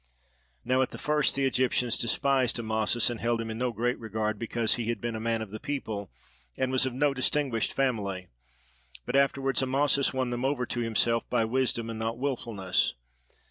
Now at the first the Egyptians despised Amasis and held him in no great regard, because he had been a man of the people and was of no distinguished family; but afterwards Amasis won them over to himself by wisdom and not wilfulness.